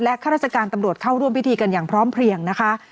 ข้าราชการตำรวจเข้าร่วมพิธีกันอย่างพร้อมเพลียงนะคะ